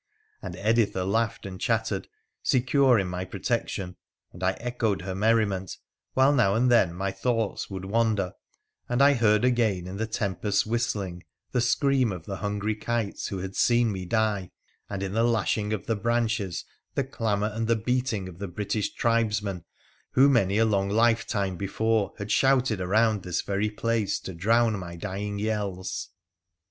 And Editha laughed and chattered— secure in my protection — and I echoed her merriment, while now and then my thoughts would wander, and I heard again in the tempest's whistling the scream of the hungry kites who had seen me die, and in the lashing of the branches the clamour and the beating of the British tribes S3 WONDERFUL ADVENTURES OF men who many a long lifetime before had shouted around this very place to drown my dying yells.